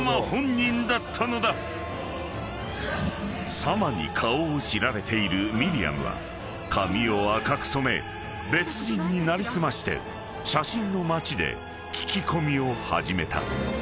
［サマに顔を知られているミリアムは髪を赤く染め別人に成り済まして写真の町で聞き込みを始めた］